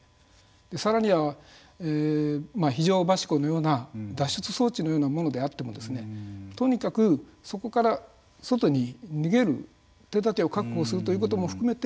さらには、非常はしごのような脱出装置のようなものであってとにかく、そこから外に逃げる手だてを確保するということも含めて